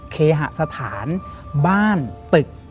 เคหสถานบ้านตึก